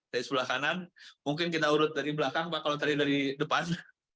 dari sebelah kanan mungkin kita urut dari belakang pak kalau tadi dari depan